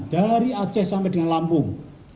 dari aceh sampai dengan lampung